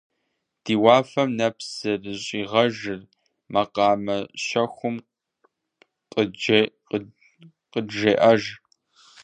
Ди уафэм нэпс зэрыщӀигъэжыр, макъамэ щэхум къыджеӀэж.